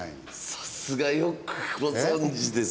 さすが！よくご存じです。